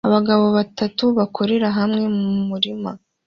Abagabo batatu bakorera hamwe mu murima